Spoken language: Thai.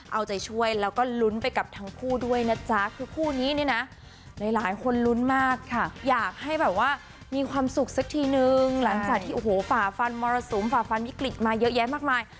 เอาใจช่วยแล้วก็ลุ้นไปกับทั้งคู่ด้วยนะจ๊ะคือคู่นี้เนี่ยนะหลายคนลุ้นมากค่ะอยากให้แบบว่ามีความสุขสักทีนึงหลังจากที่โอ้โหฝ่าฟันมรสุมฝ่าฟันวิกฤตมาเยอะแยะมากมาย